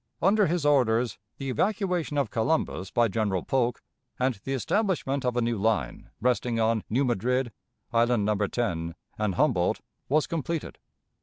Under his orders the evacuation of Columbus by General Polk, and the establishment of a new line resting on New Madrid, Island No. 10, and Humboldt, was completed.